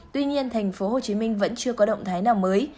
tuy nhiên thành phố hồ chí minh vẫn chưa có động thái nào mới